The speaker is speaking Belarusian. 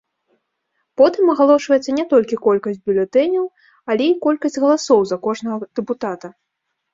Потым агалошваецца не толькі колькасць бюлетэняў, але і колькасць галасоў за кожнага дэпутата.